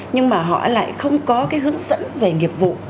nhưng mà họ lại không có cái hướng dẫn về nghiệp vụ